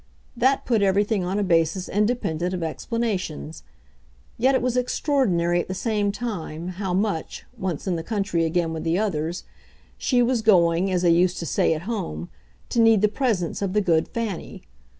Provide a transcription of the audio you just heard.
That put everything on a basis independent of explanations; yet it was extraordinary, at the same time, how much, once in the country again with the others, she was going, as they used to say at home, to need the presence of the good Fanny.